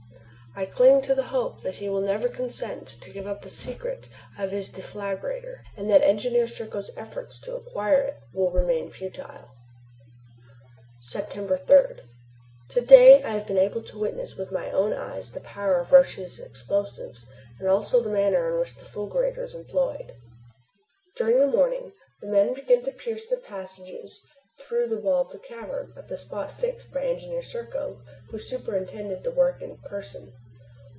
I cling to the hope that he will never consent to give up the secret of his deflagrator, and that Engineer Serko's efforts to acquire it will remain futile. September 3. To day I have been able to witness with my own eyes the power of Roch's explosive, and also the manner in which the fulgurator is employed. During the morning the men began to pierce the passage through the wall of the cavern at the spot fixed upon by Engineer Serko, who superintended the work in person.